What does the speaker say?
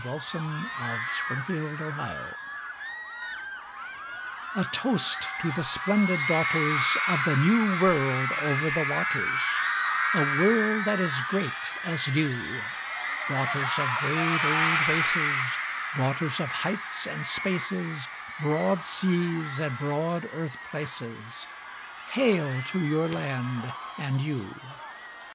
TO THE WOMEN OF AUSTRALIA A toast to the splendid daughters Of the New World over the waters, A world that is great as new; Daughters of brave old races, Daughters of heights and spaces, Broad seas and broad earth places— Hail to your land and you!